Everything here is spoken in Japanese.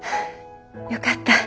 よかった。